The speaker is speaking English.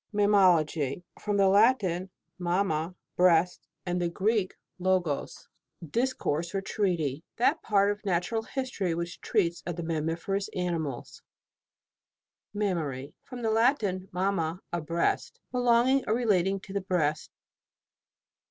MAMMALOGY. From the Latin, mam ma, breast, and the Greek, logos MAMMALOGY: GLOSSARY. 145 discourse or treatise. That part of Natural History which treats of Tnammiferous animals. MAMMARY. From the Latin mamma, a breast. Belonging or relating to the breast.